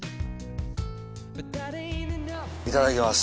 いただきます。